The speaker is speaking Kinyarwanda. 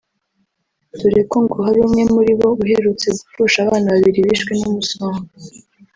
dore ko ngo hari umwe muri bo uherutse gupfusha abana babiri bishwe n’umusongo